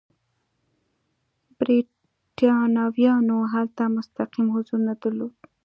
برېټانویانو هلته مستقیم حضور نه درلود.